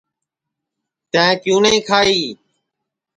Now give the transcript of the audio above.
تیں کیوں نائی کھائی